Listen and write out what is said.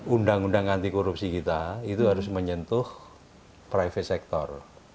undang undang anti korupsi kita itu harus menyentuh private sector